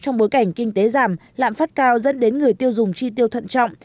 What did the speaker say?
trong bối cảnh kinh tế giảm lạm phát cao dẫn đến người tiêu dùng chi tiêu thận trọng